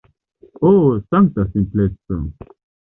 Ho sankta simpleco!